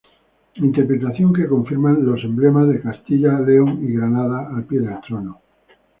Interpretación que confirman los emblemas de Castilla, León y Granada al pie del trono.